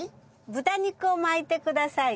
豚肉を巻いてください。